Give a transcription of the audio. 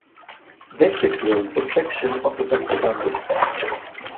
Vector field, a section of a vector bundle.